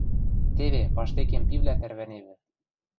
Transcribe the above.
Теве паштекем пивлӓ тӓрвӓневӹ.